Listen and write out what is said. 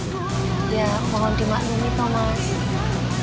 ya mohon dimaklumi sama mas